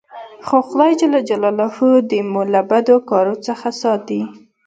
خو خداى جل جلاله دي مو له بدو کارو څخه ساتي.